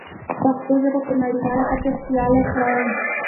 پښتو ژبه په نړیواله کچه سیاله کړئ.